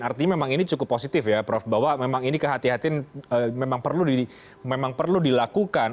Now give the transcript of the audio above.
artinya memang ini cukup positif ya prof bahwa memang ini kehatian memang perlu dilakukan